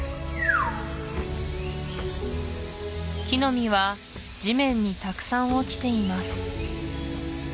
木の実は地面にたくさん落ちています